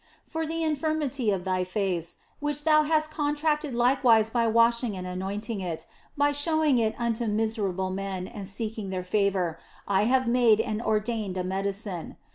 " For the infirmity of thy face, which thou hast con tracted likewise by washing and anointing it, by showing it unto miserable men and seeking their favour, I have made and ordained a medicine.